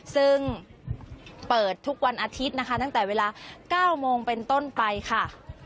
ซึ่งเปิดทุกวันอาทิตย์นะคะตั้งแต่เวลา๙โมงเป็นต้นไปค่ะ